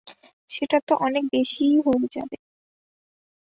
সেটা তো অনেকবেশিই হয়ে যাবে।